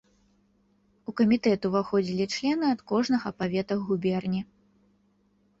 У камітэт уваходзілі члены ад кожнага павета губерні.